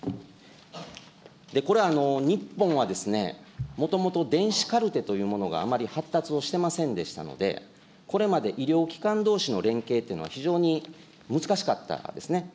これ、日本は、もともと電子カルテというものがあまり発達をしてませんでしたので、これまで医療機関どうしの連携っていうのは、非常に難しかったんですね。